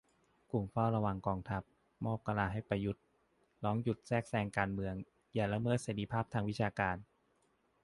กลุ่มเฝ้าระวังกองทัพ มอบกะลาให้ประยุทธ ร้องหยุดแทรกแซงการเมือง อย่าละเมิดเสรีภาพทางวิชาการ